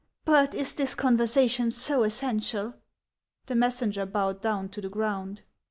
" But is this conversation so essential ?" The messenger bowed down to the ground.